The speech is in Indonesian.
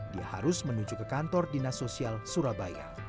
dia harus menuju ke kantor dinas sosial surabaya